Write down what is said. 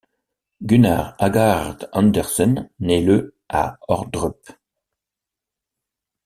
Gunnar Aagaard Andersen naît le à Ordrup.